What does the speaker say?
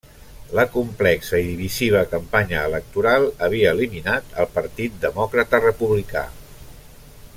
La complexa i divisiva campanya electoral havia eliminat el Partit Demòcrata-Republicà.